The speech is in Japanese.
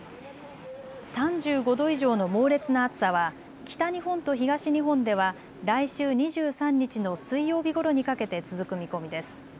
３５度以上の猛烈な暑さは北日本と東日本では来週２３日の水曜日ごろにかけて続く見込みです。